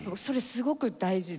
すごく大事で。